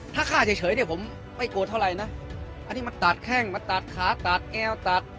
ถ้าฆ่าเฉยผมไม่โกรธเท่าไรนะอันนี้มาตาดแข้งมาตาดขาตาดแอ้วตาด